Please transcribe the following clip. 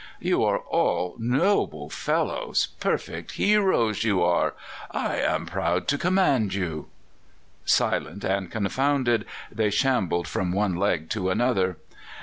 "You are all noble fellows; perfect heroes you are. I am proud to command you!" Silent and confounded, they shambled from one leg to another.